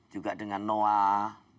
juga dengan noaa